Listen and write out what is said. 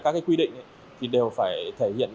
các cái quy định thì đều phải thể hiện